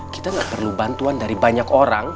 kita gak perlu bantuan dari banyak orang